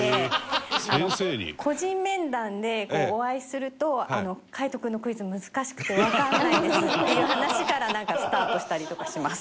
個人面談でお会いすると「海人君のクイズ難しくてわからないんです」っていう話からなんかスタートしたりとかします。